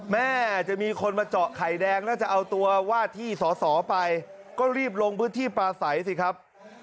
แม่จะมีคนมาเจาะไข่แดงแล้วจะเอาตัววาดที่สอสอไปก็รีบลงพื้นที่ปลาใสสิครับ